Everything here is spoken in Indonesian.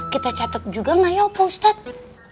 kita catat juga enggak ya opa ustadz